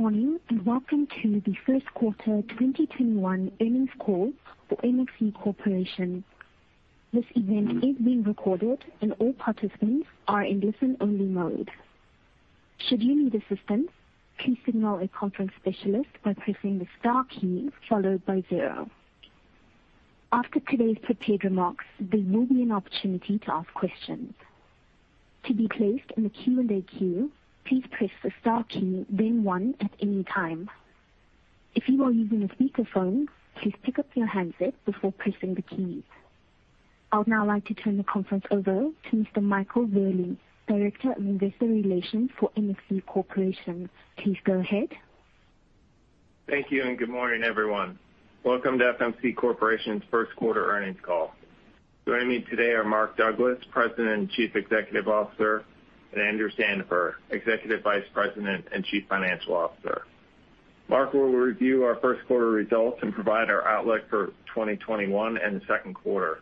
Good morning, and welcome to the first quarter 2021 earnings call for FMC Corporation. This event is being recorded and all participants are in listen-only mode. Should you need assistance please signal a conference specialist by pressing the star key followed by zero. After the closing remarks there will be an opportunity to ask questions. To be place on the Q&A queue please press the star key then one at any time. If you are using a speaker phone, please pick up your handset before pressing the keys. I would now like to turn the conference over to Mr. Michael Wherley, Director of Investor Relations for FMC Corporation. Please go ahead. Thank you, good morning, everyone. Welcome to FMC Corporation's first quarter earnings call. Joining me today are Mark Douglas, President and Chief Executive Officer, and Andrew Sandifer, Executive Vice President and Chief Financial Officer. Mark will review our first quarter results and provide our outlook for 2021 and the second quarter.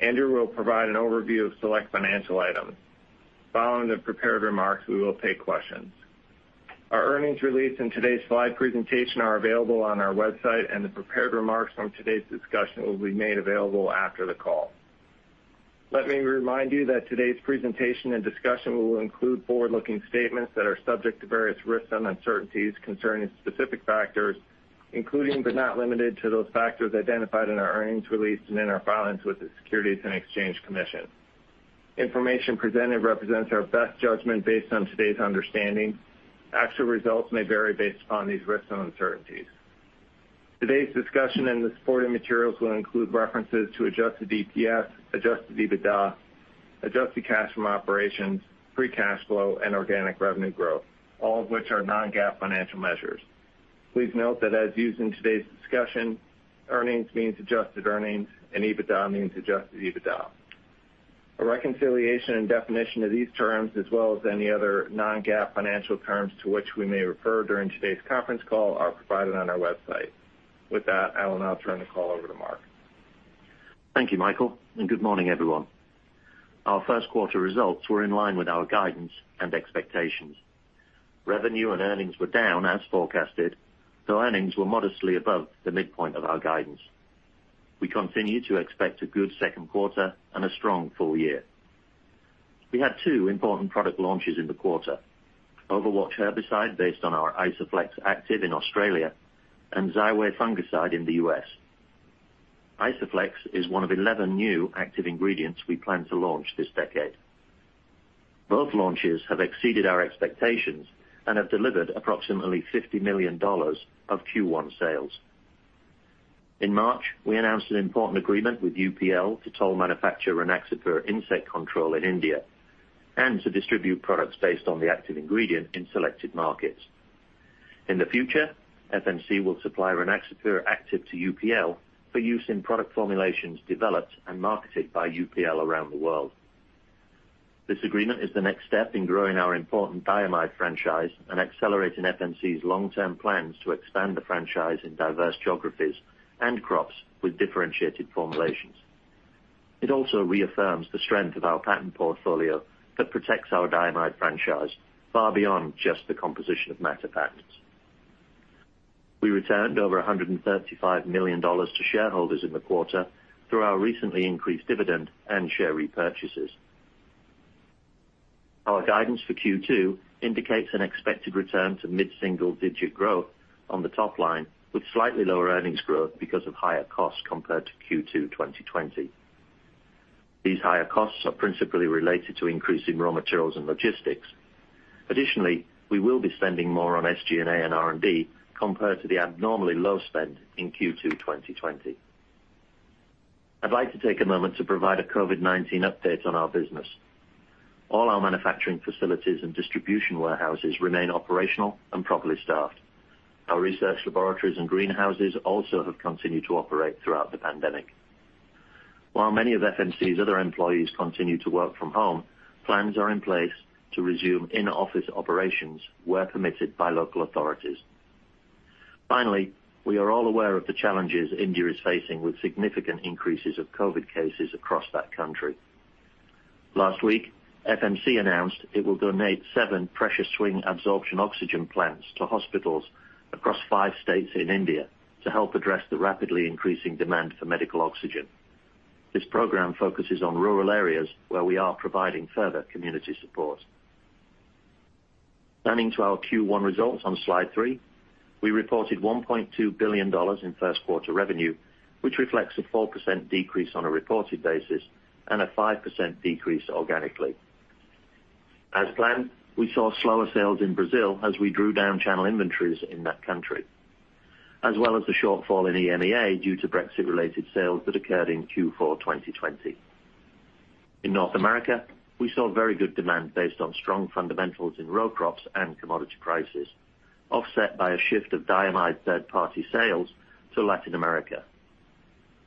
Andrew will provide an overview of select financial items. Following the prepared remarks, we will take questions. Our earnings release and today's slide presentation are available on our website, and the prepared remarks from today's discussion will be made available after the call. Let me remind you that today's presentation and discussion will include forward-looking statements that are subject to various risks and uncertainties concerning specific factors, including but not limited to those factors identified in our earnings release and in our filings with the Securities and Exchange Commission. Information presented represents our best judgment based on today's understanding. Actual results may vary based on these risks and uncertainties. Today's discussion and the supporting materials will include references to adjusted EPS, adjusted EBITDA, adjusted cash from operations, free cash flow and organic revenue growth, all of which are non-GAAP financial measures. Please note that as used in today's discussion, earnings means adjusted earnings and EBITDA means adjusted EBITDA. A reconciliation and definition of these terms, as well as any other non-GAAP financial terms to which we may refer during today's conference call, are provided on our website. With that, I will now turn the call over to Mark. Thank you, Michael, and good morning, everyone. Our first quarter results were in line with our guidance and expectations. Revenue and earnings were down as forecasted, though earnings were modestly above the midpoint of our guidance. We continue to expect a good second quarter and a strong full year. We had two important product launches in the quarter. Overwatch herbicide, based on our Isoflex active in Australia, and Xyway fungicide in the U.S. Isoflex is one of 11 new active ingredients we plan to launch this decade. Both launches have exceeded our expectations and have delivered approximately $50 million of Q1 sales. In March, we announced an important agreement with UPL to toll manufacture Rynaxypyr insect control in India, and to distribute products based on the active ingredient in selected markets. In the future, FMC will supply Rynaxypyr active to UPL for use in product formulations developed and marketed by UPL around the world. This agreement is the next step in growing our important diamide franchise and accelerating FMC's long-term plans to expand the franchise in diverse geographies and crops with differentiated formulations. It also reaffirms the strength of our patent portfolio that protects our diamide franchise far beyond just the composition of matter patents. We returned over $135 million to shareholders in the quarter through our recently increased dividend and share repurchases. Our guidance for Q2 indicates an expected return to mid-single digit growth on the top line, with slightly lower earnings growth because of higher costs compared to Q2 2020. These higher costs are principally related to increasing raw materials and logistics. Additionally, we will be spending more on SG&A and R&D compared to the abnormally low spend in Q2 2020. I'd like to take a moment to provide a COVID-19 update on our business. All our manufacturing facilities and distribution warehouses remain operational and properly staffed. Our research laboratories and greenhouses also have continued to operate throughout the pandemic. While many of FMC's other employees continue to work from home, plans are in place to resume in-office operations where permitted by local authorities. Finally, we are all aware of the challenges India is facing with significant increases of COVID cases across that country. Last week, FMC announced it will donate seven pressure swing adsorption oxygen plants to hospitals across five states in India to help address the rapidly increasing demand for medical oxygen. This program focuses on rural areas where we are providing further community support. Turning to our Q1 results on slide three. We reported $1.2 billion in first quarter revenue, which reflects a 4% decrease on a reported basis and a 5% decrease organically. As planned, we saw slower sales in Brazil as we drew down channel inventories in that country. As well as the shortfall in EMEA due to Brexit-related sales that occurred in Q4 2020. In North America, we saw very good demand based on strong fundamentals in row crops and commodity prices, offset by a shift of diamide third-party sales to Latin America.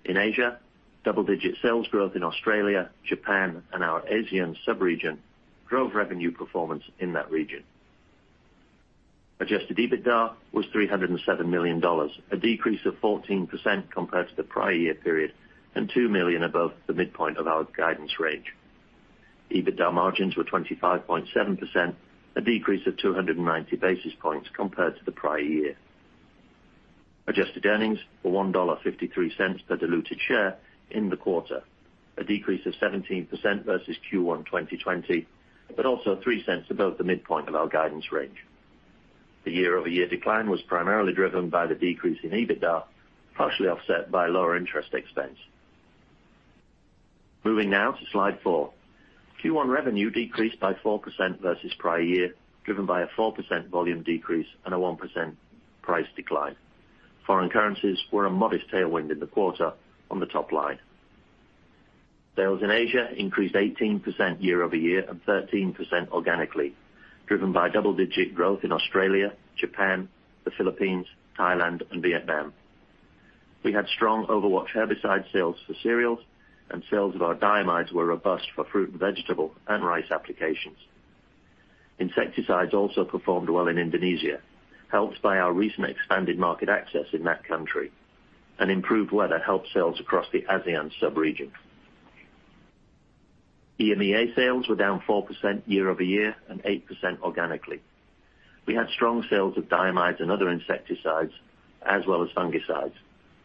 In Asia, double-digit sales growth in Australia, Japan, and our ASEAN sub-region drove revenue performance in that region. Adjusted EBITDA was $307 million, a decrease of 14% compared to the prior year period, and $2 million above the midpoint of our guidance range. EBITDA margins were 25.7%, a decrease of 290 basis points compared to the prior year. Adjusted earnings were $1.53 per diluted share in the quarter, a decrease of 17% versus Q1 2020, but also $0.03 above the midpoint of our guidance range. The year-over-year decline was primarily driven by the decrease in EBITDA, partially offset by lower interest expense. Moving now to slide four. Q1 revenue decreased by 4% versus prior year, driven by a 4% volume decrease and a 1% price decline. Foreign currencies were a modest tailwind in the quarter on the top line. Sales in Asia increased 18% year-over-year and 13% organically, driven by double-digit growth in Australia, Japan, the Philippines, Thailand and Vietnam. We had strong Overwatch herbicide sales for cereals, and sales of our diamides were robust for fruit and vegetable and rice applications. Insecticides also performed well in Indonesia, helped by our recent expanded market access in that country. Improved weather helped sales across the ASEAN sub-region. EMEA sales were down 4% year-over-year and 8% organically. We had strong sales of diamides and other insecticides as well as fungicides.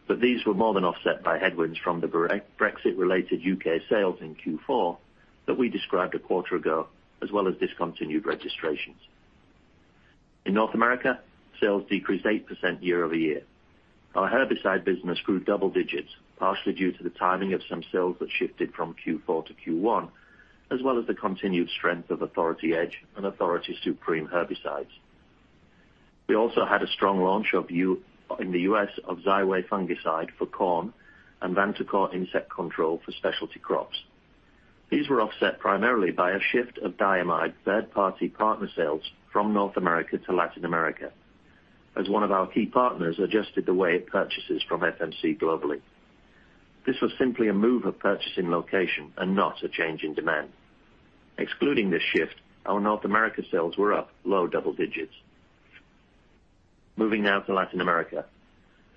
These were more than offset by headwinds from the Brexit-related U.K. sales in Q4 that we described a quarter ago, as well as discontinued registrations. In North America, sales decreased 8% year-over-year. Our herbicide business grew double digits, partially due to the timing of some sales that shifted from Q4 to Q1, as well as the continued strength of Authority Edge and Authority Supreme herbicides. We also had a strong launch in the U.S. of Xyway fungicide for corn and Vantacor insect control for specialty crops. These were offset primarily by a shift of diamide third-party partner sales from North America to Latin America, as one of our key partners adjusted the way it purchases from FMC globally. This was simply a move of purchasing location and not a change in demand. Excluding this shift, our North America sales were up low double digits. Moving now to Latin America.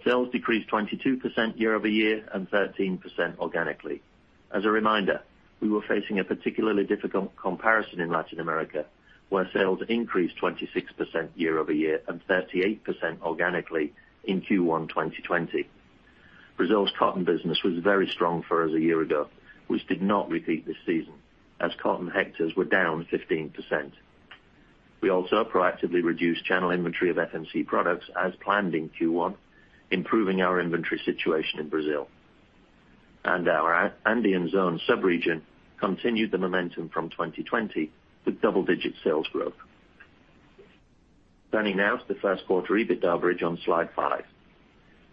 Sales decreased 22% year-over-year and 13% organically. As a reminder, we were facing a particularly difficult comparison in Latin America, where sales increased 26% year-over-year and 38% organically in Q1 2020. Brazil's cotton business was very strong for us a year ago, which did not repeat this season as cotton hectares were down 15%. We also proactively reduced channel inventory of FMC products as planned in Q1, improving our inventory situation in Brazil. Our Andean Zone sub region continued the momentum from 2020 with double-digit sales growth. Turning now to the first quarter EBITDA bridge on slide 5.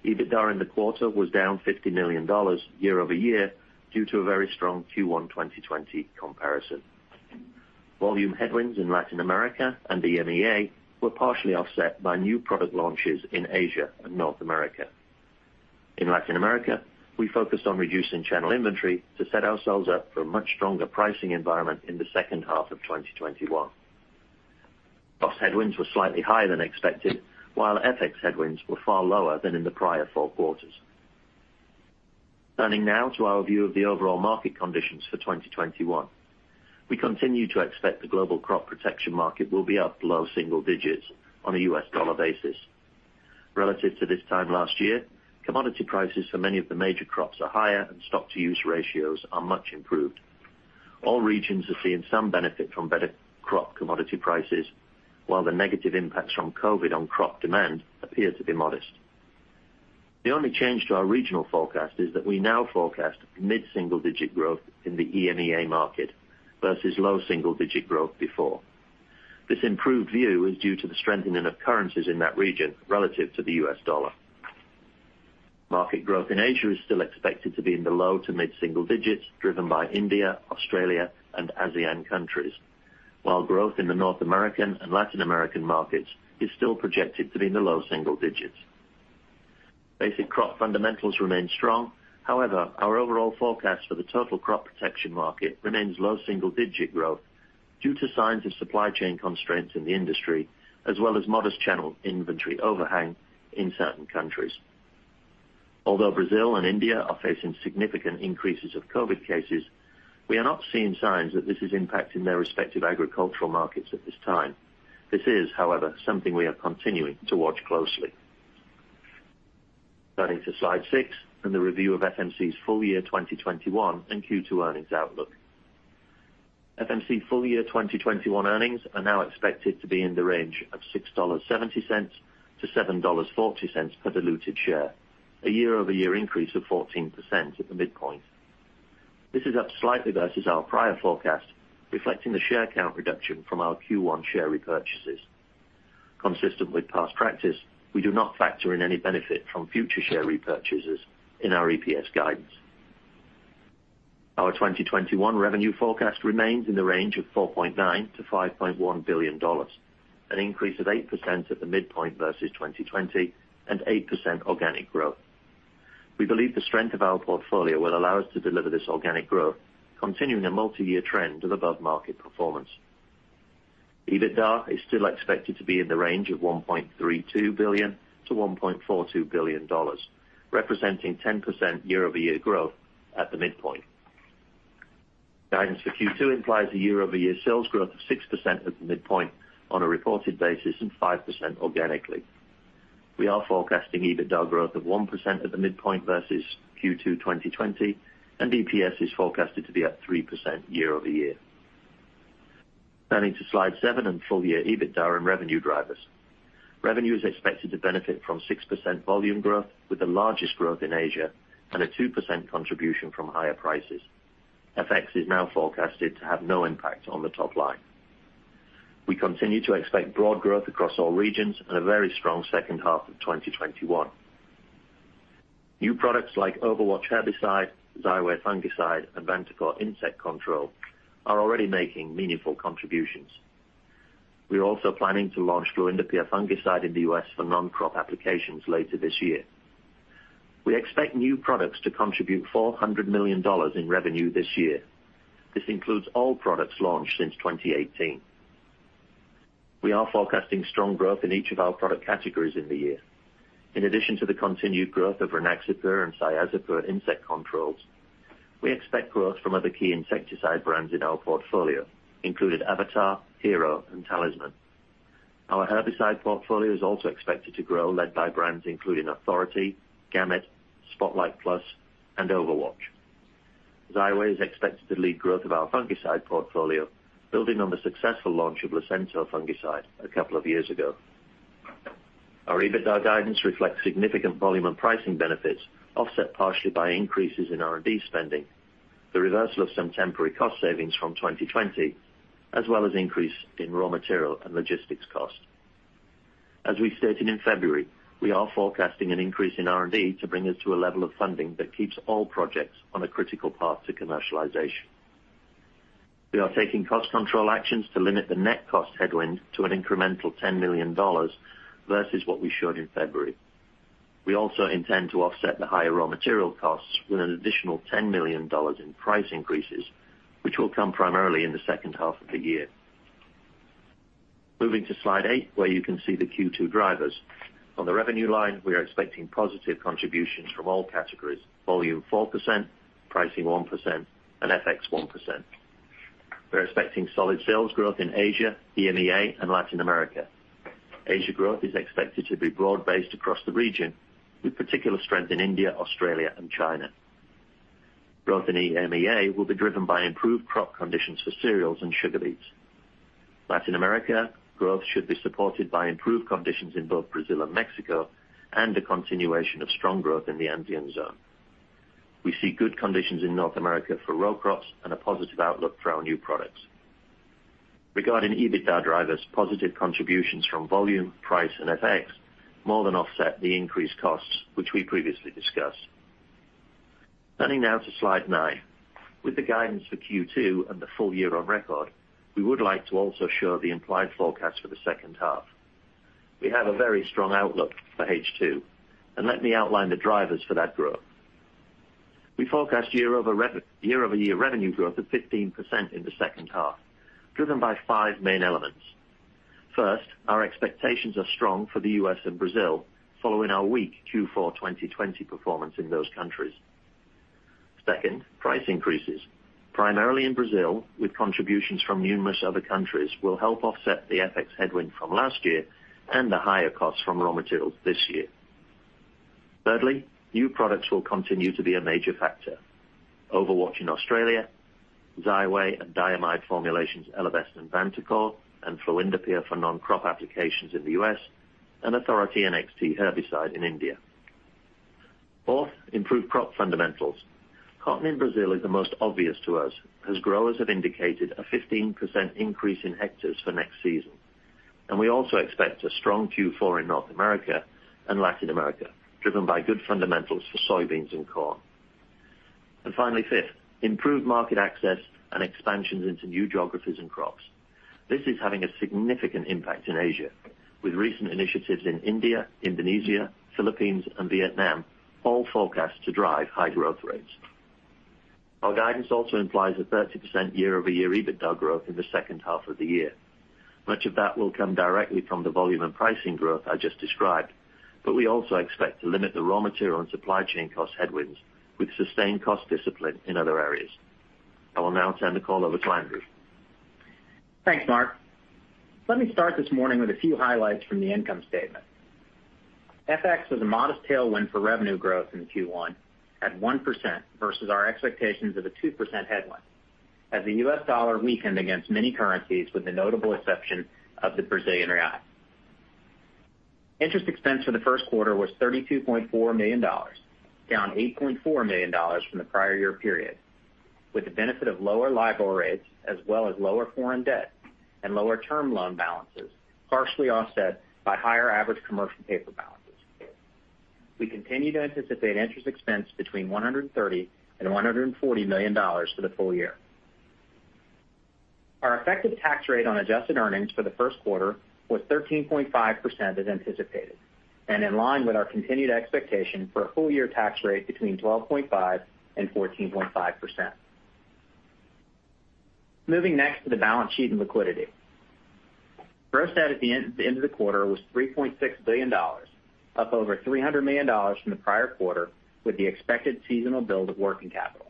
EBITDA in the quarter was down $50 million year-over-year due to a very strong Q1 2020 comparison. Volume headwinds in Latin America and EMEA were partially offset by new product launches in Asia and North America. In Latin America, we focused on reducing channel inventory to set ourselves up for a much stronger pricing environment in the second half of 2021. Cost headwinds were slightly higher than expected, while FX headwinds were far lower than in the prior four quarters. Turning now to our view of the overall market conditions for 2021. We continue to expect the global crop protection market will be up low single digits on a U.S. dollar basis. Relative to this time last year, commodity prices for many of the major crops are higher and stock-to-use ratios are much improved. All regions are seeing some benefit from better crop commodity prices, while the negative impacts from COVID-19 on crop demand appear to be modest. The only change to our regional forecast is that we now forecast mid-single digit growth in the EMEA market versus low single digit growth before. This improved view is due to the strengthening of currencies in that region relative to the U.S. dollar. Market growth in Asia is still expected to be in the low to mid-single digits, driven by India, Australia and ASEAN countries. While growth in the North American and Latin American markets is still projected to be in the low single digits. Basic crop fundamentals remain strong. However, our overall forecast for the total crop protection market remains low single-digit growth due to signs of supply chain constraints in the industry, as well as modest channel inventory overhang in certain countries. Although Brazil and India are facing significant increases of COVID-19 cases, we are not seeing signs that this is impacting their respective agricultural markets at this time. This is, however, something we are continuing to watch closely. Turning to slide six and the review of FMC's full-year 2021 and Q2 earnings outlook. FMC full-year 2021 earnings are now expected to be in the range of $6.70 to $7.40 per diluted share, a year-over-year increase of 14% at the midpoint. This is up slightly versus our prior forecast, reflecting the share count reduction from our Q1 share repurchases. Consistent with past practice, we do not factor in any benefit from future share repurchases in our EPS guidance. Our 2021 revenue forecast remains in the range of $4.9 to 5.1 billion, an increase of 8% at the midpoint versus 2020 and 8% organic growth. We believe the strength of our portfolio will allow us to deliver this organic growth, continuing a multi-year trend of above-market performance. EBITDA is still expected to be in the range of $1.32 to 1.42 billion, representing 10% year-over-year growth at the midpoint. Guidance for Q2 implies a year-over-year sales growth of 6% at the midpoint on a reported basis and 5% organically. We are forecasting EBITDA growth of 1% at the midpoint versus Q2 2020. EPS is forecasted to be up 3% year-over-year. Turning to Slide seven on full-year EBITDA and revenue drivers. Revenue is expected to benefit from 6% volume growth, with the largest growth in Asia and a 2% contribution from higher prices. FX is now forecasted to have no impact on the top line. We continue to expect broad growth across all regions and a very strong second half of 2021. New products like Overwatch herbicide, Xyway fungicide, and Vantacor insect control are already making meaningful contributions. We are also planning to launch fluindapyr fungicide in the U.S. for non-crop applications later this year. We expect new products to contribute $400 million in revenue this year. This includes all products launched since 2018. We are forecasting strong growth in each of our product categories in the year. In addition to the continued growth of Rynaxypyr and Cyazypyr insect controls, we expect growth from other key insecticide brands in our portfolio, including Avatar, Hero, and Talisman. Our herbicide portfolio is also expected to grow, led by brands including Authority, Gamit, Spotlight Plus, and Overwatch. Xyway is expected to lead growth of our fungicide portfolio, building on the successful launch of Lucento fungicide a couple of years ago. Our EBITDA guidance reflects significant volume and pricing benefits, offset partially by increases in R&D spending, the reversal of some temporary cost savings from 2020, as well as increase in raw material and logistics costs. As we stated in February, we are forecasting an increase in R&D to bring us to a level of funding that keeps all projects on a critical path to commercialization. We are taking cost control actions to limit the net cost headwind to an incremental $10 million versus what we showed in February. We also intend to offset the higher raw material costs with an additional $10 million in price increases, which will come primarily in the second half of the year. Moving to Slide eight, where you can see the Q2 drivers. On the revenue line, we are expecting positive contributions from all categories: volume 4%, pricing 1%, and FX 1%. We're expecting solid sales growth in Asia, EMEA, and Latin America. Asia growth is expected to be broad-based across the region, with particular strength in India, Australia, and China. Growth in EMEA will be driven by improved crop conditions for cereals and sugar beets. Latin America growth should be supported by improved conditions in both Brazil and Mexico, and a continuation of strong growth in the Andean zone. We see good conditions in North America for row crops and a positive outlook for our new products. Regarding EBITDA drivers, positive contributions from volume, price, and FX more than offset the increased costs, which we previously discussed. Turning now to Slide 9. With the guidance for Q2 and the full year on record, we would like to also show the implied forecast for the second half. We have a very strong outlook for H2. Let me outline the drivers for that growth. We forecast year-over-year revenue growth of 15% in the second half, driven by five main elements. First, our expectations are strong for the U.S. and Brazil following our weak Q4 2020 performance in those countries. Second, price increases, primarily in Brazil, with contributions from numerous other countries, will help offset the FX headwind from last year and the higher costs from raw materials this year. Thirdly, new products will continue to be a major factor. Overwatch in Australia, Xyway and diamide formulations, Elevest and Vantacor, and fluindapyr for non-crop applications in the U.S., and Authority NXT herbicide in India. Fourth, improved crop fundamentals. Cotton in Brazil is the most obvious to us, as growers have indicated a 15% increase in hectares for next season, and we also expect a strong Q4 in North America and Latin America, driven by good fundamentals for soybeans and corn. Finally, fifth, improved market access and expansions into new geographies and crops. This is having a significant impact in Asia, with recent initiatives in India, Indonesia, Philippines, and Vietnam all forecast to drive high growth rates. Our guidance also implies a 30% year-over-year EBITDA growth in the second half of the year. Much of that will come directly from the volume and pricing growth I just described, but we also expect to limit the raw material and supply chain cost headwinds with sustained cost discipline in other areas. I will now turn the call over to Andrew. Thanks, Mark. Let me start this morning with a few highlights from the income statement. FX was a modest tailwind for revenue growth in Q1 at 1% versus our expectations of a 2% headwind as the U.S. dollar weakened against many currencies, with the notable exception of the BRL. Interest expense for the first quarter was $32.4 million, down $8.4 million from the prior year period, with the benefit of lower LIBOR rates as well as lower foreign debt and lower term loan balances, partially offset by higher average commercial paper balances. We continue to anticipate interest expense between $130 million and $140 million for the full year. Our effective tax rate on adjusted earnings for the first quarter was 13.5% as anticipated, and in line with our continued expectation for a full-year tax rate between 12.5% and 14.5%. Moving next to the balance sheet and liquidity. Gross debt at the end of the quarter was $3.6 billion, up over $300 million from the prior quarter, with the expected seasonal build of working capital.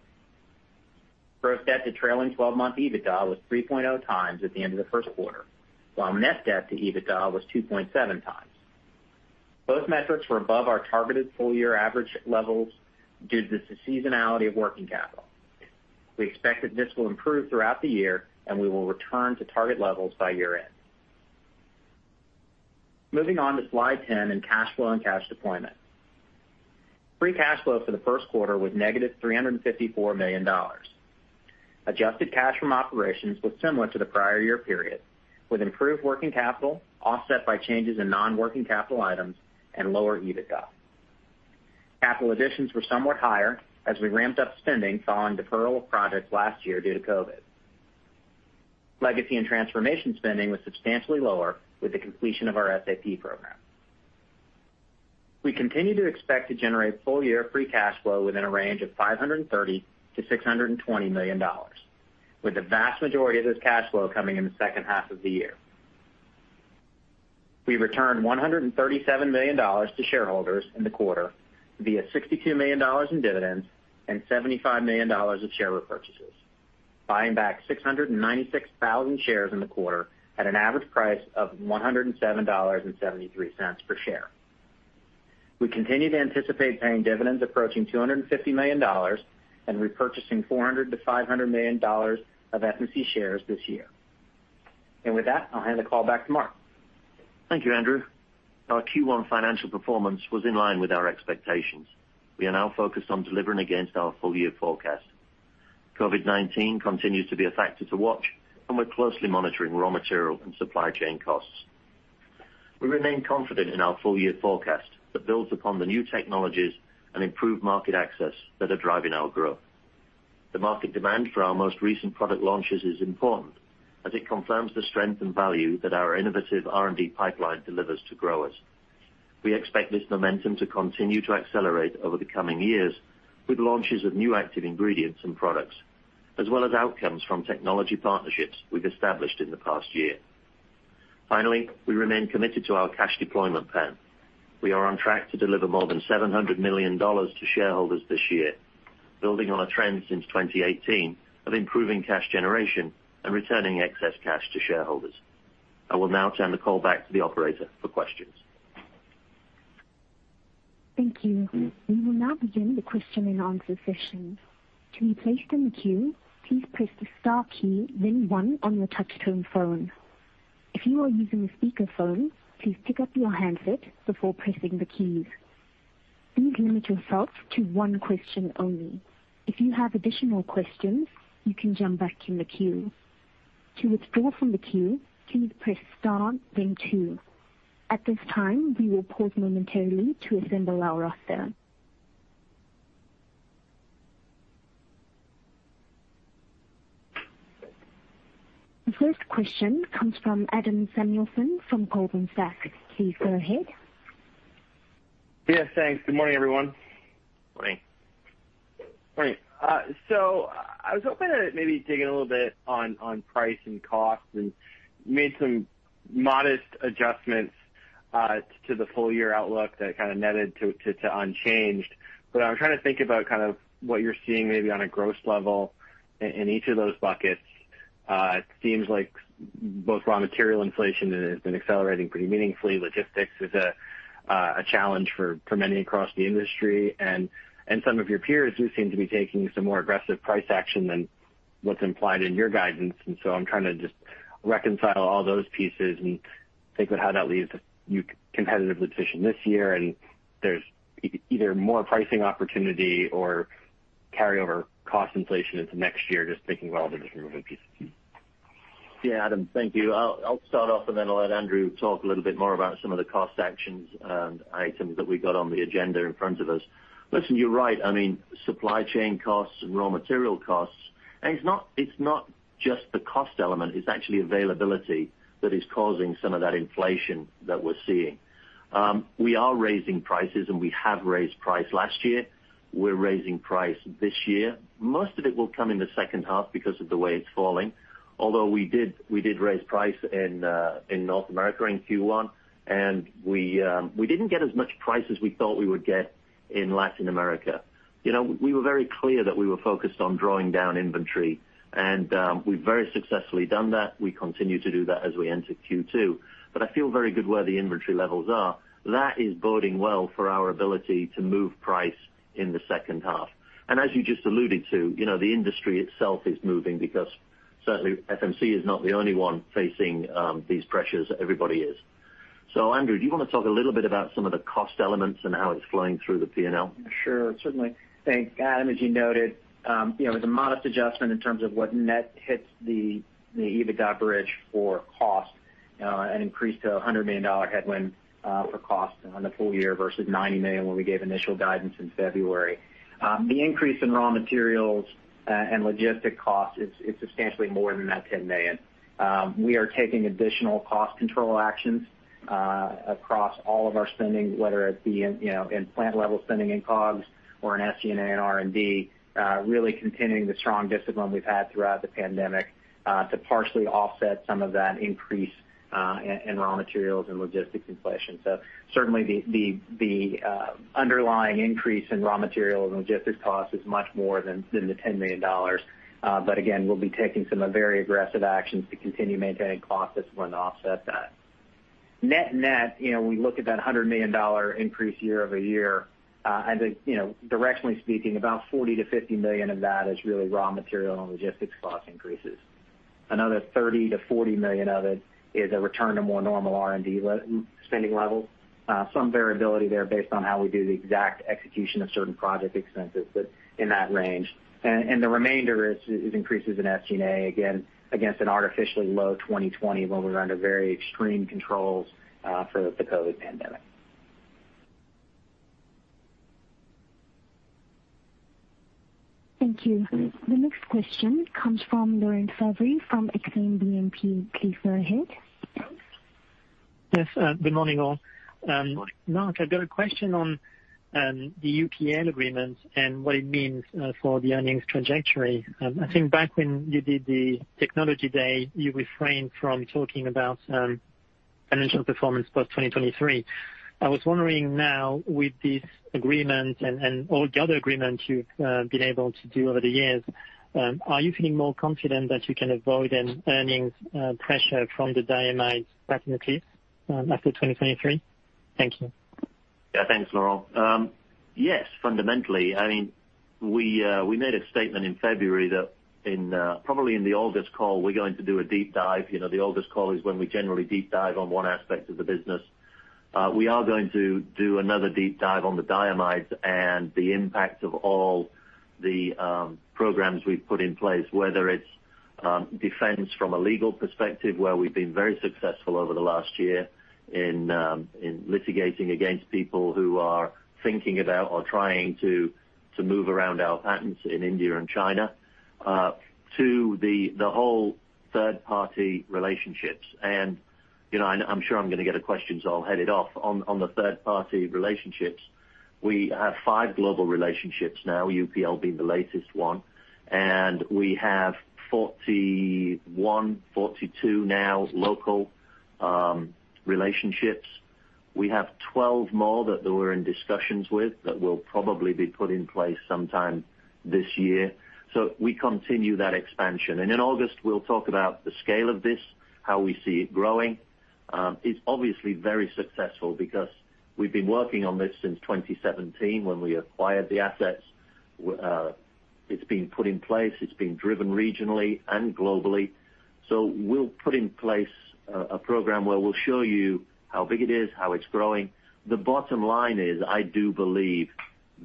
Gross debt to trailing 12-month EBITDA was 3.0 times at the end of the first quarter, while net debt to EBITDA was 2.7 times. Both metrics were above our targeted full-year average levels due to the seasonality of working capital. We expect that this will improve throughout the year, and we will return to target levels by year-end. Moving on to slide 10 in cash flow and cash deployment. Free cash flow for the first quarter was negative $354 million. Adjusted cash from operations was similar to the prior year period, with improved working capital offset by changes in non-working capital items and lower EBITDA. Capital additions were somewhat higher as we ramped up spending following deferral of projects last year due to COVID. Legacy and transformation spending was substantially lower with the completion of our SAP program. We continue to expect to generate full-year free cash flow within a range of $530 to 620 million, with the vast majority of this cash flow coming in the second half of the year. We returned $137 million to shareholders in the quarter via $62 million in dividends and $75 million of share repurchases, buying back 696,000 shares in the quarter at an average price of $107.73 per share. We continue to anticipate paying dividends approaching $250 million and repurchasing $400 million-$500 million of FMC shares this year. With that, I'll hand the call back to Mark. Thank you, Andrew. Our Q1 financial performance was in line with our expectations. We are now focused on delivering against our full-year forecast. COVID-19 continues to be a factor to watch, and we're closely monitoring raw material and supply chain costs. We remain confident in our full-year forecast that builds upon the new technologies and improved market access that are driving our growth. The market demand for our most recent product launches is important as it confirms the strength and value that our innovative R&D pipeline delivers to growers. We expect this momentum to continue to accelerate over the coming years with launches of new active ingredients and products, as well as outcomes from technology partnerships we've established in the past year. Finally, we remain committed to our cash deployment plan. We are on track to deliver more than $700 million to shareholders this year, building on a trend since 2018 of improving cash generation and returning excess cash to shareholders. I will now turn the call back to the operator for questions. Thank you. We will now begin the question and answer session. To[ join] the queue please press star key then one on your telephone touch-tone phone. If you are using a speaker phone please pick up your handset first before pressing the keys. Please limit yourself to one question only. If you have additional questions, you can jump back in the queue. To [withdraw] from the queue, please press star then two. At this time we will pause momentarily to assemble our roster. The first question comes from Adam Samuelson from Goldman Sachs. Please go ahead. Yes, thanks. Good morning, everyone. Morning. Morning. I was hoping to maybe dig in a little bit on price and cost, and you made some modest adjustments to the full-year outlook that kind of netted to unchanged. I'm trying to think about what you're seeing maybe on a gross level in each of those buckets. It seems like both raw material inflation has been accelerating pretty meaningfully. Logistics is a challenge for many across the industry, and some of your peers do seem to be taking some more aggressive price action than what's implied in your guidance. I'm trying to just reconcile all those pieces and think about how that leaves you competitively positioned this year. There's either more pricing opportunity or carryover cost inflation into next year, just thinking about all the different moving pieces. Adam. Thank you. I'll start off, and then I'll let Andrew talk a little bit more about some of the cost actions and items that we got on the agenda in front of us. You're right. Supply chain costs and raw material costs. It's not just the cost element, it's actually availability that is causing some of that inflation that we're seeing. We are raising prices, and we have raised price last year. We're raising price this year. Most of it will come in the second half because of the way it's falling. We did raise price in North America in Q1, and we didn't get as much price as we thought we would get in Latin America. We were very clear that we were focused on drawing down inventory, and we've very successfully done that. We continue to do that as we enter Q2. I feel very good where the inventory levels are. That is boding well for our ability to move price in the second half. As you just alluded to, the industry itself is moving because certainly FMC is not the only one facing these pressures, everybody is. Andrew Sandifer, do you want to talk a little bit about some of the cost elements and how it's flowing through the P&L? Sure, certainly. Thanks. Adam, as you noted, it was a modest adjustment in terms of what net hits the EBITDA bridge for cost. An increase to $100 million headwind for costs on the full year versus $90 million when we gave initial guidance in February. The increase in raw materials and logistics costs is substantially more than that $10 million. We are taking additional cost control actions across all of our spending, whether it be in plant level spending in COGS or in SG&A and R&D, really continuing the strong discipline we've had throughout the pandemic to partially offset some of that increase in raw materials and logistics inflation. Certainly the underlying increase in raw materials and logistics costs is much more than the $10 million. Again, we'll be taking some very aggressive actions to continue maintaining cost discipline to offset that. Net-net, we look at that $100 million increase year-over-year. I think, directionally speaking, about $40 to 50 million of that is really raw material and logistics cost increases. Another $30 to 40 million of it is a return to more normal R&D spending levels. Some variability there based on how we do the exact execution of certain project expenses, but in that range. The remainder is increases in SG&A, again, against an artificially low 2020 when we were under very extreme controls for the COVID pandemic. Thank you. The next question comes from Laurent Favre from Exane BNP. Please go ahead. Yes, good morning, all. Mark, I've got a question on the UPL agreement and what it means for the earnings trajectory. I think back when you did the technology day, you refrained from talking about financial performance post 2023. I was wondering now with this agreement and all the other agreements you've been able to do over the years, are you feeling more confident that you can avoid an earnings pressure from the diamide patent cliff after 2023? Thank you. Thanks, Laurent. Yes, fundamentally. We made a statement in February that probably in the August call, we're going to do a deep dive. The August call is when we generally deep dive on one aspect of the business. We are going to do another deep dive on the diamides and the impact of all the programs we've put in place, whether it's defense from a legal perspective, where we've been very successful over the last year in litigating against people who are thinking about or trying to move around our patents in India and China, to the whole third-party relationships. I'm sure I'm going to get a question, so I'll head it off. On the third-party relationships, we have five global relationships now, UPL being the latest one, and we have 41, 42 now local relationships. We have 12 more that we're in discussions with that will probably be put in place sometime this year. We continue that expansion. In August, we'll talk about the scale of this, how we see it growing. It's obviously very successful because we've been working on this since 2017 when we acquired the assets. It's been put in place. It's been driven regionally and globally. We'll put in place a program where we'll show you how big it is, how it's growing. The bottom line is, I do believe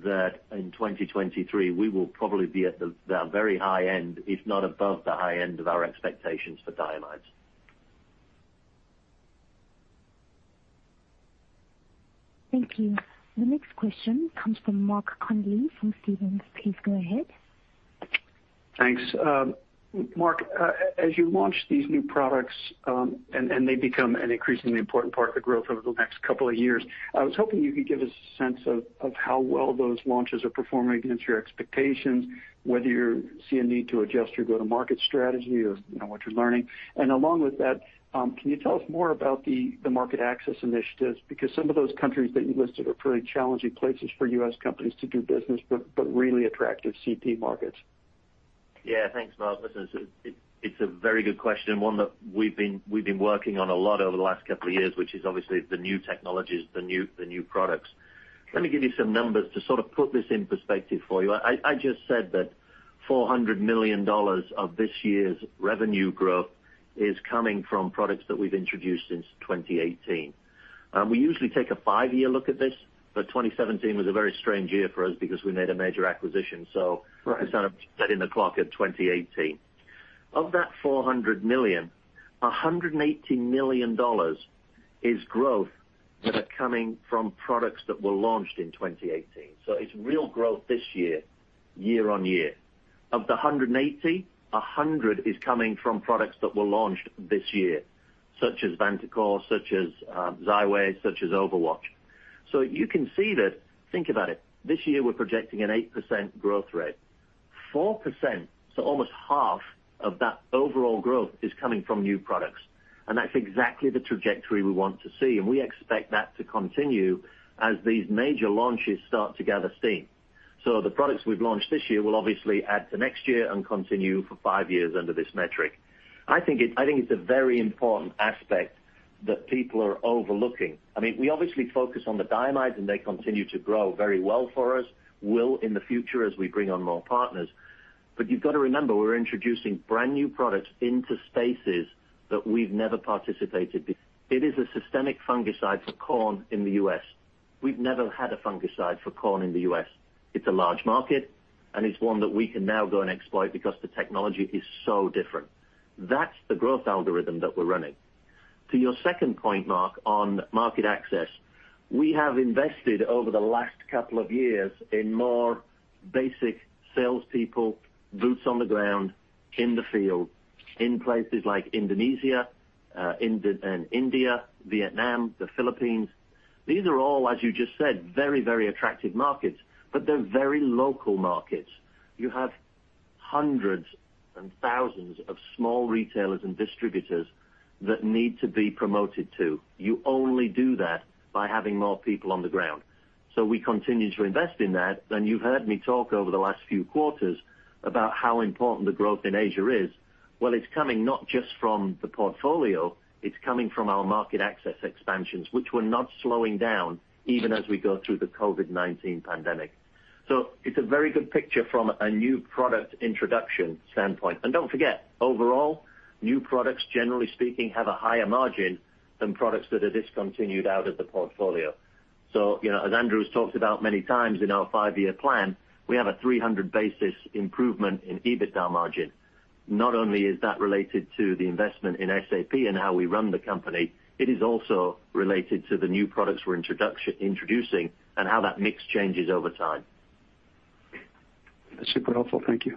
that in 2023, we will probably be at the very high end, if not above the high end of our expectations for diamides. Thank you. The next question comes from Mark Connelly from Stephens. Please go ahead. Thanks. Mark, as you launch these new products and they become an increasingly important part of the growth over the next couple of years, I was hoping you could give us a sense of how well those launches are performing against your expectations, whether you see a need to adjust your go-to-market strategy or what you're learning. Along with that, can you tell us more about the market access initiatives? Some of those countries that you listed are pretty challenging places for U.S. companies to do business, but really attractive CP markets. Yeah, thanks, Mark. Listen, it's a very good question and one that we've been working on a lot over the last couple of years, which is obviously the new technologies, the new products. Let me give you some numbers to sort of put this in perspective for you. I just said that $400 million of this year's revenue growth is coming from products that we've introduced since 2018. We usually take a five-year look at this. 2017 was a very strange year for us because we made a major acquisition. Right We kind of set in the clock at 2018. Of that $400 million, $118 million is growth that are coming from products that were launched in 2018. It's real growth this year-over-year. Of the 180, 100 is coming from products that were launched this year, such as Vantacor, such as Xyway, such as Overwatch. You can see that, think about it, this year we're projecting an 8% growth rate. 4%, almost half of that overall growth is coming from new products. That's exactly the trajectory we want to see, and we expect that to continue as these major launches start to gather steam. The products we've launched this year will obviously add to next year and continue for five years under this metric. I think it's a very important aspect that people are overlooking. We obviously focus on the diamides. They continue to grow very well for us, will in the future as we bring on more partners. You've got to remember, we're introducing brand new products into spaces that we've never participated. It is a systemic fungicide for corn in the U.S. We've never had a fungicide for corn in the U.S. It's a large market, and it's one that we can now go and exploit because the technology is so different. That's the growth algorithm that we're running. To your second point, Mark, on market access, we have invested over the last couple of years in more basic salespeople, boots on the ground in the field, in places like Indonesia and India, Vietnam, the Philippines. These are all, as you just said, very attractive markets, but they're very local markets. You have hundreds and thousands of small retailers and distributors that need to be promoted to. You only do that by having more people on the ground. We continue to invest in that. You've heard me talk over the last few quarters about how important the growth in Asia is. Well, it's coming not just from the portfolio, it's coming from our market access expansions, which we're not slowing down even as we go through the COVID-19 pandemic. It's a very good picture from a new product introduction standpoint. Don't forget, overall, new products, generally speaking, have a higher margin than products that are discontinued out of the portfolio. As Andrew's talked about many times in our five-year plan, we have a 300 basis improvement in EBITDA margin. Not only is that related to the investment in SAP and how we run the company, it is also related to the new products we're introducing and how that mix changes over time. That's super helpful. Thank you.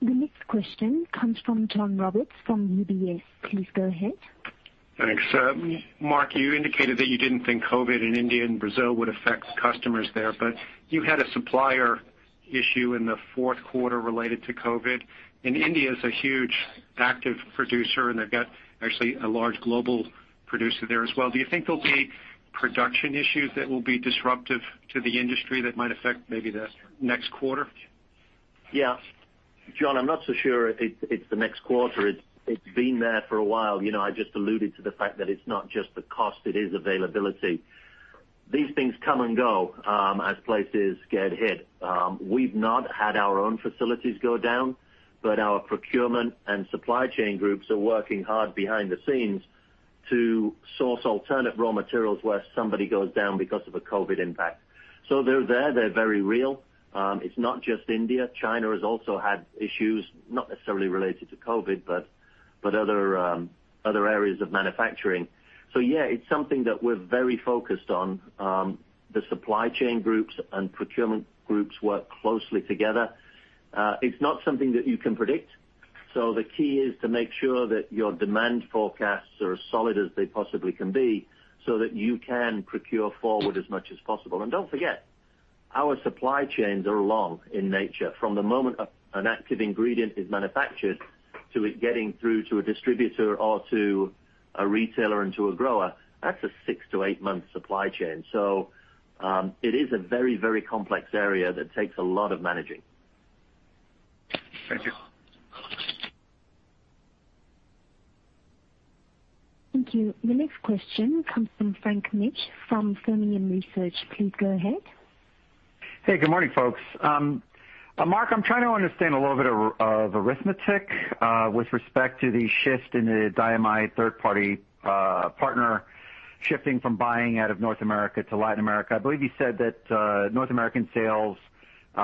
The next question comes from John Roberts from UBS. Please go ahead. Thanks. Mark, you indicated that you didn't think COVID in India and Brazil would affect customers there, but you had a supplier issue in the fourth quarter related to COVID. India is a huge active producer, and they've got actually a large global producer there as well. Do you think there'll be production issues that will be disruptive to the industry that might affect maybe the next quarter? Yeah. John, I'm not so sure it's the next quarter. It's been there for a while. I just alluded to the fact that it's not just the cost, it is availability. These things come and go as places get hit. We've not had our own facilities go down, but our procurement and supply chain groups are working hard behind the scenes to source alternate raw materials where somebody goes down because of a COVID impact. They're there, they're very real. It's not just India. China has also had issues, not necessarily related to COVID, but other areas of manufacturing. Yeah, it's something that we're very focused on. The supply chain groups and procurement groups work closely together. It's not something that you can predict, so the key is to make sure that your demand forecasts are as solid as they possibly can be so that you can procure forward as much as possible. Don't forget, our supply chains are long in nature. From the moment an active ingredient is manufactured to it getting through to a distributor or to a retailer and to a grower, that's a six- to eight-month supply chain. It is a very complex area that takes a lot of managing. Thank you. Thank you. The next question comes from Frank Mitsch from Fermium Research. Please go ahead. Hey, good morning, folks. Mark, I'm trying to understand a little bit of arithmetic with respect to the shift in the diamide third-party partner shifting from buying out of North America to Latin America. I believe you said that North American sales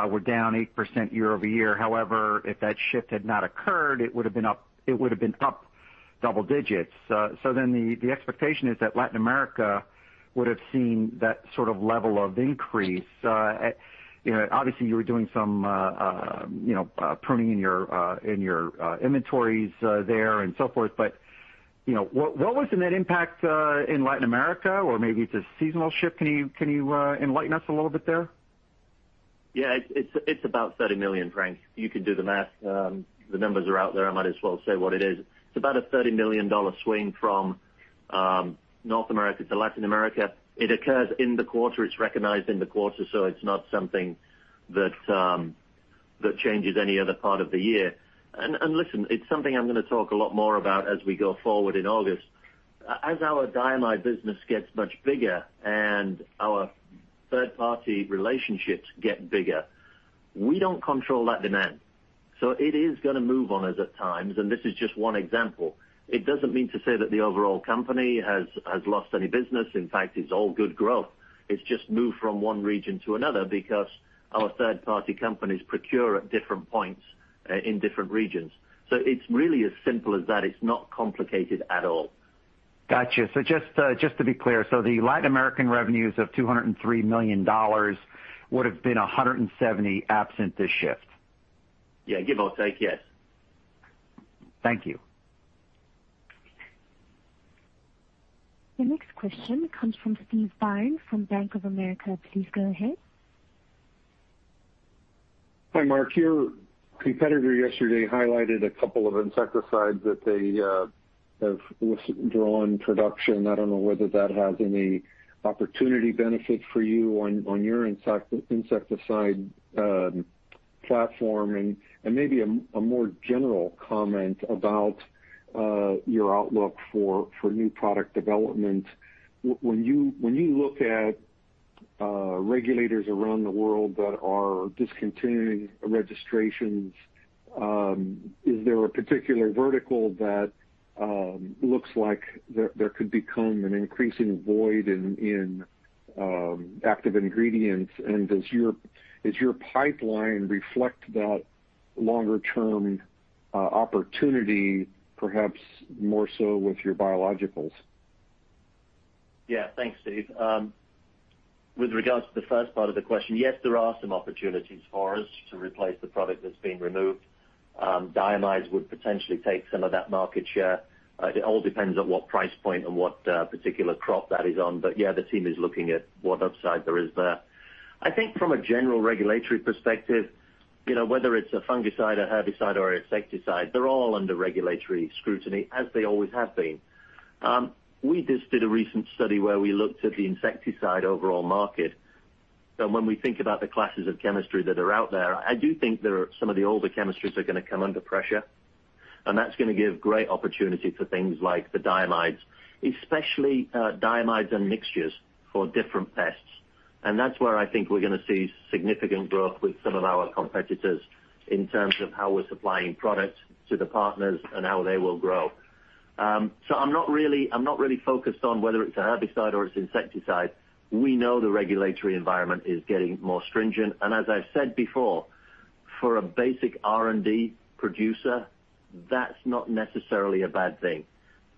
were down 8% year-over-year. However, if that shift had not occurred, it would have been up double digits. The expectation is that Latin America would have seen that sort of level of increase. Obviously, you were doing some pruning in your inventories there and so forth, what was the net impact in Latin America? Maybe it's a seasonal shift. Can you enlighten us a little bit there? Yeah, it's about $30 million, Frank. You can do the math. The numbers are out there. I might as well say what it is. It's about a $30 million swing from North America to Latin America. It occurs in the quarter. It's recognized in the quarter, so it's not something that changes any other part of the year. Listen, it's something I'm going to talk a lot more about as we go forward in August. As our diamide business gets much bigger and our third-party relationships get bigger, we don't control that demand, so it is going to move on us at times, and this is just one example. It doesn't mean to say that the overall company has lost any business. In fact, it's all good growth. It's just moved from one region to another because our third-party companies procure at different points in different regions. It's really as simple as that. It's not complicated at all. Got you. Just to be clear, so the Latin American revenues of $203 million would have been $170 million absent this shift? Yeah. Give or take, yes. Thank you. The next question comes from Steve Byrne from Bank of America. Please go ahead. Hi, Mark. Your competitor yesterday highlighted a couple of insecticides that they have withdrawn production. I don't know whether that has any opportunity benefit for you on your insecticide platform. Maybe a more general comment about your outlook for new product development. When you look at regulators around the world that are discontinuing registrations, is there a particular vertical that looks like there could become an increasing void in active ingredients? Does your pipeline reflect that longer-term opportunity, perhaps more so with your biologicals? Thanks, Steve. With regards to the first part of the question, yes, there are some opportunities for us to replace the product that's being removed. diamides would potentially take some of that market share. It all depends on what price point and what particular crop that is on. The team is looking at what upside there is there. I think from a general regulatory perspective, whether it's a fungicide, a herbicide, or insecticide, they're all under regulatory scrutiny, as they always have been. We just did a recent study where we looked at the insecticide overall market, and when we think about the classes of chemistry that are out there, I do think some of the older chemistries are going to come under pressure, and that's going to give great opportunity for things like the diamides, especially diamides and mixtures for different pests. That's where I think we're going to see significant growth with some of our competitors in terms of how we're supplying product to the partners and how they will grow. I'm not really focused on whether it's a herbicide or it's insecticide. We know the regulatory environment is getting more stringent, and as I've said before, for a basic R&D producer, that's not necessarily a bad thing,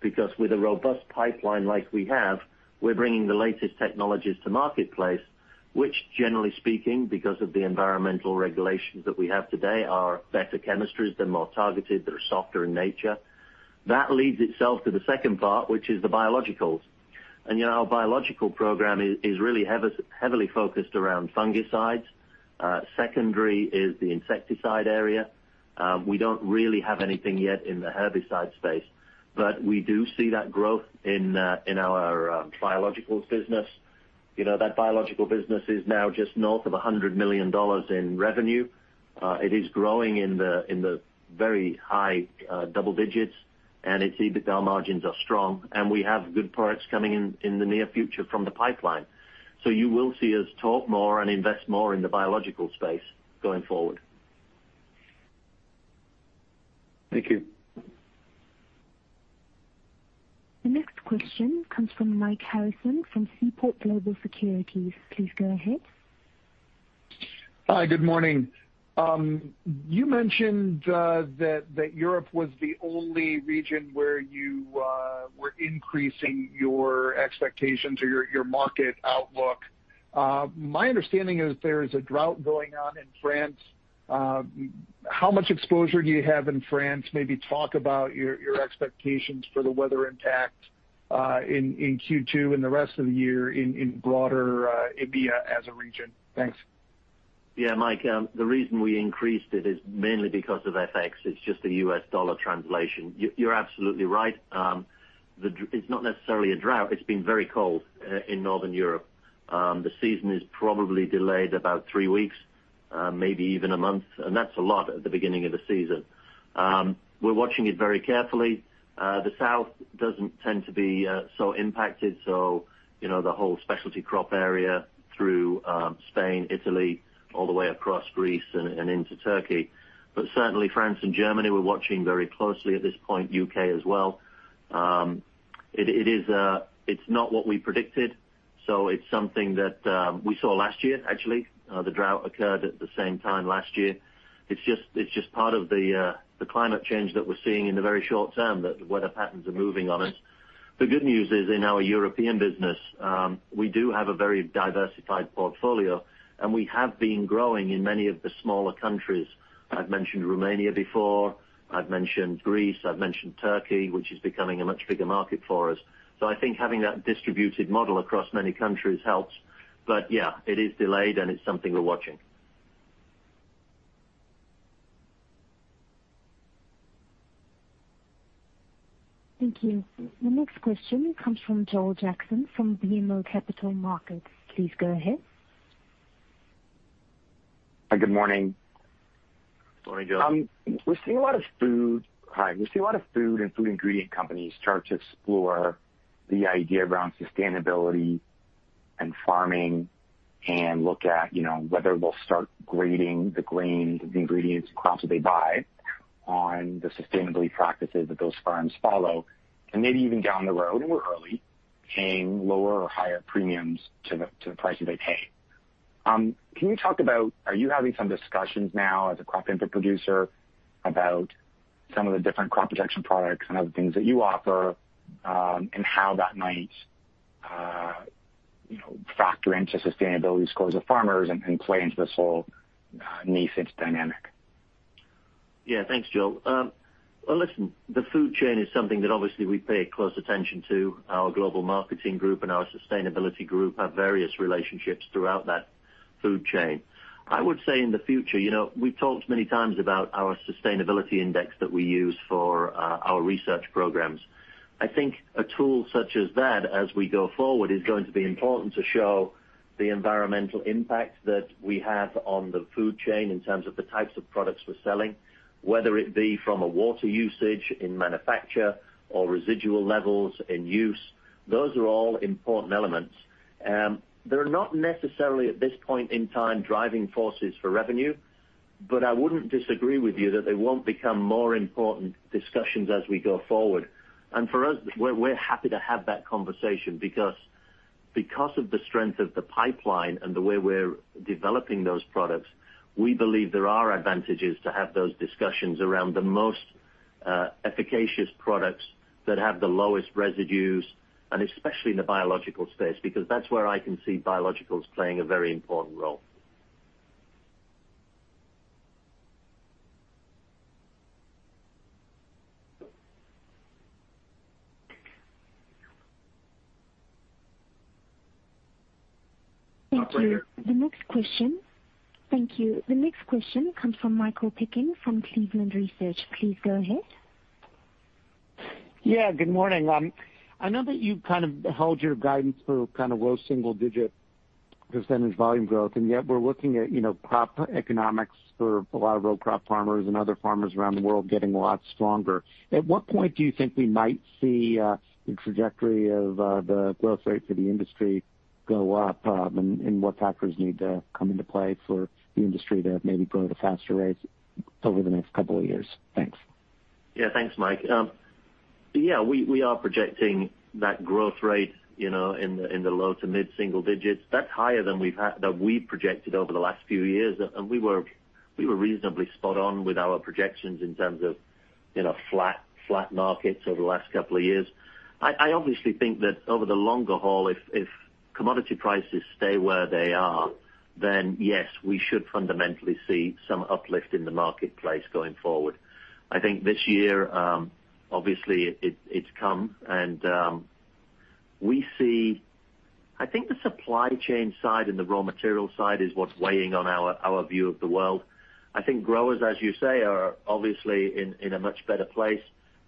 because with a robust pipeline like we have, we're bringing the latest technologies to marketplace, which generally speaking, because of the environmental regulations that we have today, are better chemistries. They're more targeted, they're softer in nature. That leads itself to the second part, which is the biologicals. Our biological program is really heavily focused around fungicides. Secondary is the insecticide area. We don't really have anything yet in the herbicide space, but we do see that growth in our biologicals business. That biological business is now just north of $100 million in revenue. It is growing in the very high double digits, and its EBITDA margins are strong, and we have good products coming in in the near future from the pipeline. You will see us talk more and invest more in the biological space going forward. Thank you. The next question comes from Mike Harrison from Seaport Global Securities. Please go ahead. Hi, good morning. You mentioned that Europe was the only region where you were increasing your expectations or your market outlook. My understanding is there is a drought going on in France. How much exposure do you have in France? Maybe talk about your expectations for the weather impact in Q2 and the rest of the year in broader EMEA as a region. Thanks. Yeah, Mike, the reason we increased it is mainly because of FX. It's just a U.S. dollar translation. You're absolutely right. It's not necessarily a drought. It's been very cold in Northern Europe. The season is probably delayed about three weeks, maybe even a month, and that's a lot at the beginning of the season. We're watching it very carefully. The south doesn't tend to be so impacted, so the whole specialty crop area through Spain, Italy, all the way across Greece and into Turkey. Certainly France and Germany, we're watching very closely at this point, U.K. as well. It's not what we predicted, so it's something that we saw last year, actually. The drought occurred at the same time last year. It's just part of the climate change that we're seeing in the very short term, that the weather patterns are moving on us. The good news is in our European business, we do have a very diversified portfolio, and we have been growing in many of the smaller countries. I've mentioned Romania before, I've mentioned Greece, I've mentioned Turkey, which is becoming a much bigger market for us. I think having that distributed model across many countries helps. Yeah, it is delayed, and it's something we're watching. Thank you. The next question comes from Joel Jackson from BMO Capital Markets. Please go ahead. Good morning. Morning, Joel. Hi. We're seeing a lot of food and food ingredient companies start to explore the idea around sustainability and farming and look at whether they'll start grading the grains, the ingredients, the crops that they buy on the sustainability practices that those farms follow, and maybe even down the road, and we're early, paying lower or higher premiums to the prices they pay. Can you talk about, are you having some discussions now as a crop input producer about some of the different crop protection products and other things that you offer, and how that might factor into sustainability scores of farmers and play into this whole niche dynamic? Yeah. Thanks, Joel. Well, listen, the food chain is something that obviously we pay close attention to. Our global marketing group and our sustainability group have various relationships throughout that food chain. I would say in the future, we've talked many times about our sustainability index that we use for our research programs. I think a tool such as that, as we go forward, is going to be important to show the environmental impact that we have on the food chain in terms of the types of products we're selling, whether it be from a water usage in manufacture or residual levels in use. Those are all important elements. They're not necessarily, at this point in time, driving forces for revenue. I wouldn't disagree with you that they won't become more important discussions as we go forward. For us, we're happy to have that conversation because of the strength of the pipeline and the way we're developing those products, we believe there are advantages to have those discussions around the most efficacious products that have the lowest residues, and especially in the biological space, because that's where I can see biologicals playing a very important role. Thank you. The next question comes from Michael Picken from Cleveland Research. Please go ahead. Yeah, good morning. I know that you've held your guidance for low single-digit % volume growth, yet we're looking at crop economics for a lot of row crop farmers and other farmers around the world getting a lot stronger. At what point do you think we might see the trajectory of the growth rate for the industry go up? What factors need to come into play for the industry to maybe grow at a faster rate over the next couple of years? Thanks. Yeah, thanks, Mike. We are projecting that growth rate in the low to mid-single digits. That's higher than we've projected over the last few years. We were reasonably spot on with our projections in terms of flat markets over the last couple of years. I obviously think that over the longer haul, if commodity prices stay where they are, then yes, we should fundamentally see some uplift in the marketplace going forward. I think this year, obviously, it's come, and we see, I think the supply chain side and the raw material side is what's weighing on our view of the world. I think growers, as you say, are obviously in a much better place.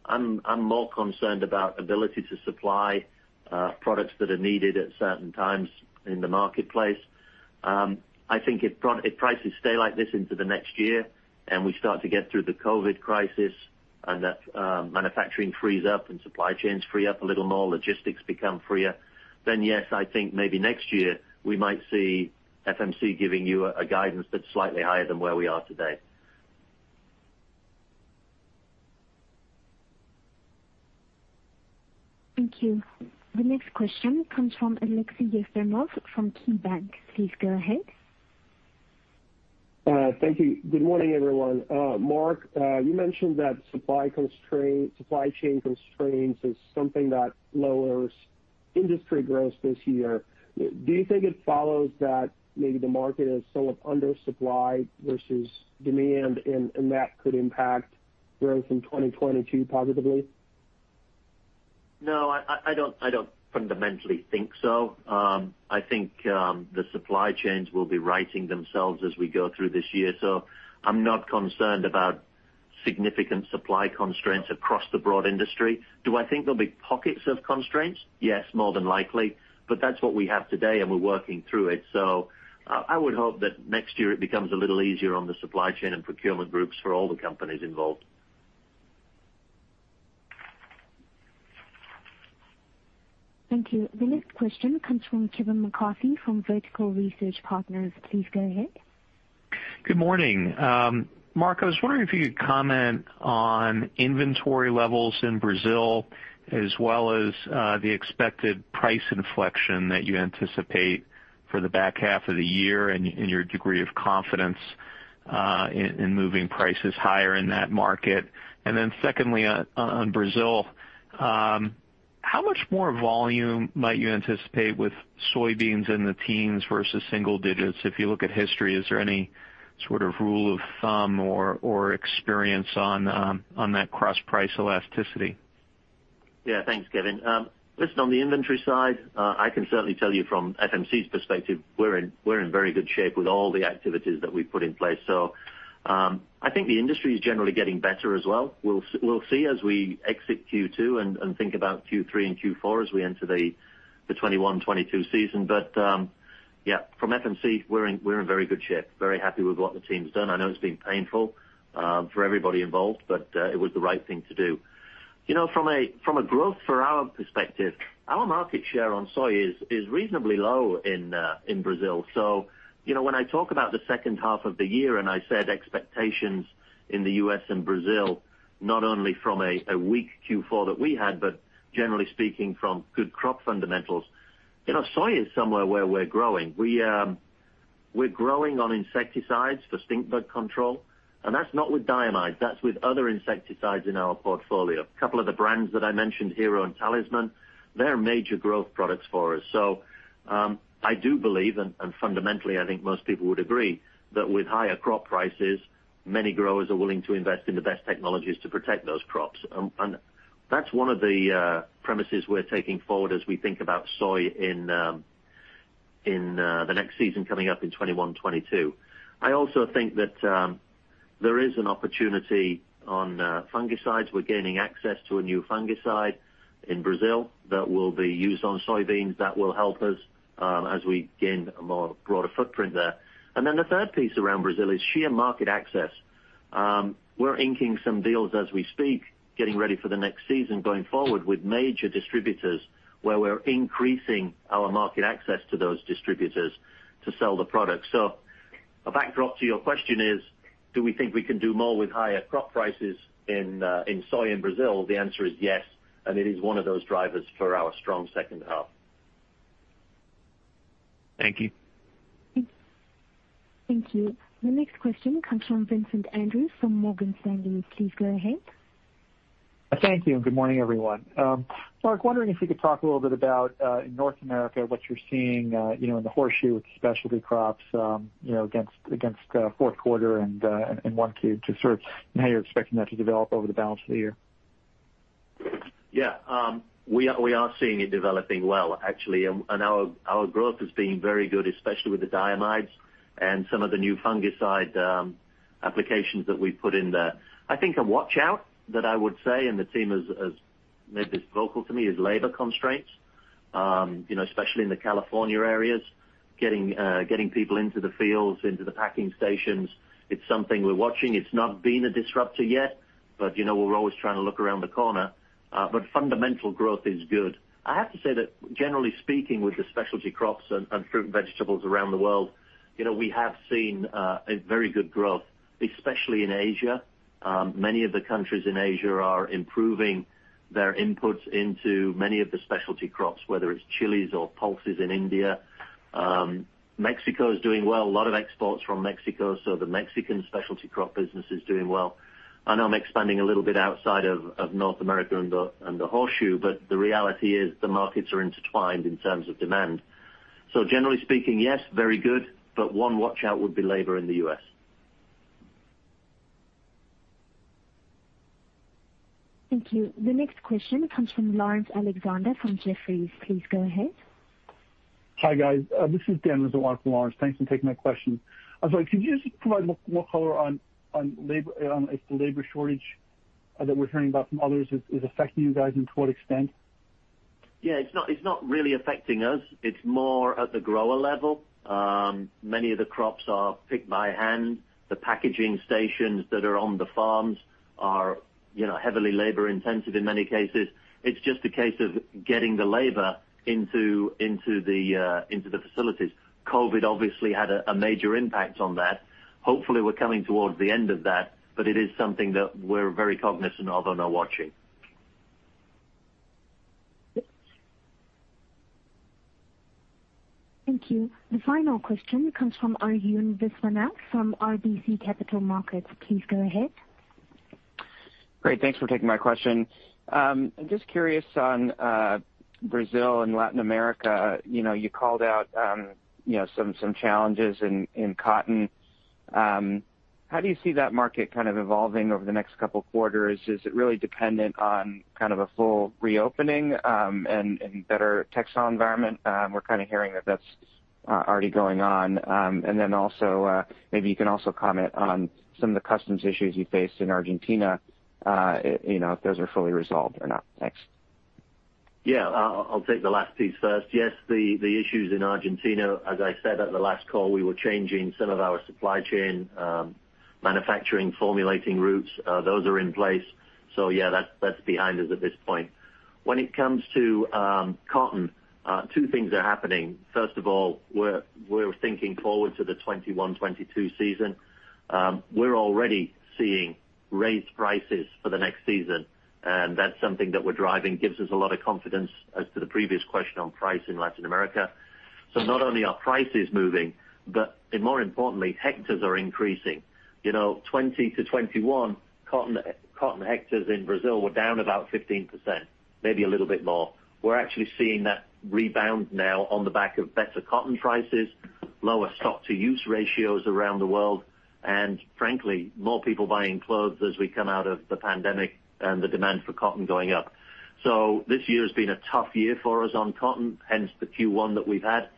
I'm more concerned about ability to supply products that are needed at certain times in the marketplace. I think if prices stay like this into the next year and we start to get through the COVID crisis and that manufacturing frees up and supply chains free up a little more, logistics become freer, then yes, I think maybe next year we might see FMC giving you a guidance that's slightly higher than where we are today. Thank you. The next question comes from Aleksey Yefremov from KeyBanc. Please go ahead. Thank you. Good morning, everyone. Mark, you mentioned that supply chain constraints is something that lowers industry growth this year. Do you think it follows that maybe the market is somewhat undersupplied versus demand and that could impact growth in 2022 positively? No, I don't fundamentally think so. I think the supply chains will be righting themselves as we go through this year. I'm not concerned about significant supply constraints across the broad industry. Do I think there'll be pockets of constraints? Yes, more than likely, but that's what we have today, and we're working through it. I would hope that next year it becomes a little easier on the supply chain and procurement groups for all the companies involved. Thank you. The next question comes from Kevin McCarthy from Vertical Research Partners. Please go ahead. Good morning. Mark, I was wondering if you could comment on inventory levels in Brazil as well as the expected price inflection that you anticipate for the back half of the year and your degree of confidence in moving prices higher in that market. Secondly, on Brazil, how much more volume might you anticipate with soybeans in the teens versus single digits? If you look at history, is there any sort of rule of thumb or experience on that cross-price elasticity? Thanks, Kevin. Listen, on the inventory side, I can certainly tell you from FMC's perspective, we're in very good shape with all the activities that we've put in place. I think the industry is generally getting better as well. We'll see as we exit Q2 and think about Q3 and Q4 as we enter the 2021-2022 season. From FMC, we're in very good shape, very happy with what the team's done. I know it's been painful for everybody involved, but it was the right thing to do. From a growth for our perspective, our market share on soy is reasonably low in Brazil. When I talk about the second half of the year, and I said expectations in the U.S. and Brazil, not only from a weak Q4 that we had, but generally speaking from good crop fundamentals, soy is somewhere where we're growing. We're growing on insecticides for stink bug control, and that's not with diamide, that's with other insecticides in our portfolio. A couple of the brands that I mentioned, Hero and Talisman, they're major growth products for us. I do believe, and fundamentally, I think most people would agree, that with higher crop prices, many growers are willing to invest in the best technologies to protect those crops. That's one of the premises we're taking forward as we think about soy in the next season coming up in 2021-2022. I also think that there is an opportunity on fungicides. We're gaining access to a new fungicide in Brazil that will be used on soybeans that will help us as we gain a broader footprint there. The third piece around Brazil is sheer market access. We're inking some deals as we speak, getting ready for the next season, going forward with major distributors where we're increasing our market access to those distributors to sell the product. A backdrop to your question is, do we think we can do more with higher crop prices in soy in Brazil? The answer is yes, and it is one of those drivers for our strong second half. Thank you. Thank you. The next question comes from Vincent Andrews from Morgan Stanley. Please go ahead. Thank you, good morning, everyone. Mark, wondering if you could talk a little bit about, in North America, what you're seeing in the horticulture with specialty crops against fourth quarter and 1Q, to sort of how you're expecting that to develop over the balance of the year. Yeah. We are seeing it developing well, actually, and our growth has been very good, especially with the diamides and some of the new fungicide applications that we've put in there. I think a watch-out that I would say, and the team has made this vocal to me, is labor constraints, especially in the California areas, getting people into the fields, into the packing stations. It's something we're watching. It's not been a disruptor yet, we're always trying to look around the corner. Fundamental growth is good. I have to say that generally speaking, with the specialty crops and fruit and vegetables around the world, we have seen a very good growth, especially in Asia. Many of the countries in Asia are improving their inputs into many of the specialty crops, whether it's chilies or pulses in India. Mexico is doing well. A lot of exports from Mexico, the Mexican specialty crop business is doing well. I know I'm expanding a little bit outside of North America and the horticulture, the reality is the markets are intertwined in terms of demand. Generally speaking, yes, very good, one watch-out would be labor in the U.S. Thank you. The next question comes from Laurence Alexander from Jefferies. Please go ahead. Hi, guys. This is Dan with Laurence. Thanks for taking my question. I'm sorry, could you just provide more color on if the labor shortage that we're hearing about from others is affecting you guys, and to what extent? Yeah, it's not really affecting us. It's more at the grower level. Many of the crops are picked by hand. The packaging stations that are on the farms are heavily labor-intensive in many cases. It's just a case of getting the labor into the facilities. COVID obviously had a major impact on that. Hopefully, we're coming towards the end of that, but it is something that we're very cognizant of and are watching. Thank you. The final question comes from Arun Viswanathan from RBC Capital Markets. Please go ahead. Great. Thanks for taking my question. I'm just curious on Brazil and Latin America. You called out some challenges in cotton. How do you see that market kind of evolving over the next couple of quarters? Is it really dependent on kind of a full reopening and better textile environment? We're kind of hearing that that's already going on. Also, maybe you can also comment on some of the customs issues you faced in Argentina, if those are fully resolved or not. Thanks. I'll take the last piece first. Yes, the issues in Argentina, as I said at the last call, we were changing some of our supply chain manufacturing formulating routes. Those are in place. That's behind us at this point. When it comes to cotton, two things are happening. First of all, we're thinking forward to the 2021-2022 season. We're already seeing raised prices for the next season, and that's something that we're driving, gives us a lot of confidence as to the previous question on price in Latin America. Not only are prices moving, but more importantly, hectares are increasing. 2020 to 2021, cotton hectares in Brazil were down about 15%, maybe a little bit more. We're actually seeing that rebound now on the back of better cotton prices, lower stock-to-use ratios around the world, and frankly, more people buying clothes as we come out of the pandemic and the demand for cotton going up. This year has been a tough year for us on cotton, hence the Q1 that we've had,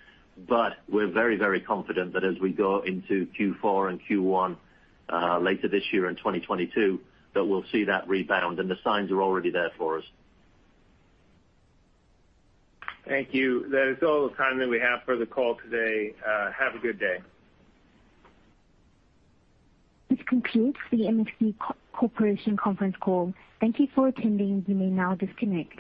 but we're very confident that as we go into Q4 and Q1 later this year in 2022, that we'll see that rebound, and the signs are already there for us. Thank you. That is all the time that we have for the call today. Have a good day. This concludes the FMC Corporation conference call. Thank you for attending. You may now disconnect.